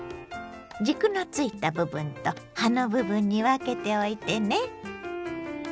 軸のついた部分と葉の部分に分けておいてね。